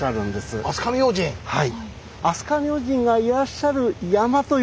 はい。